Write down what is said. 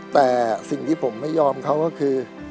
แต่สิ่งที่ผมไม่ยอมเขาก็คือ